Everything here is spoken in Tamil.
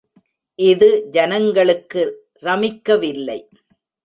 இது ஜனங்களுக்கு ரமிக்கவில்லை.